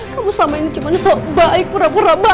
kamu selama ini gimana soal baik pura pura baik